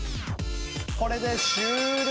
これで終了！